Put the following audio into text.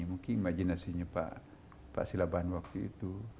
mungkin imajinasinya pak silaban waktu itu